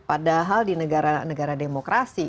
padahal di negara negara demokrasi